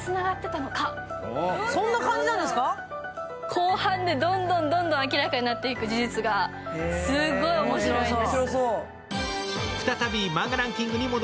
後半でどんどん明らかになっていく事実がすごい面白いんです。